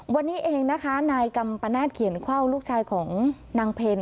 วันนี้เองนะคะนายกัมปนาศเขียนเข้าลูกชายของนางเพล